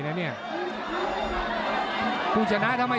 หรือว่าผู้สุดท้ายมีสิงคลอยวิทยาหมูสะพานใหม่